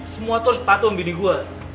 semua tur sepatu ambil di gua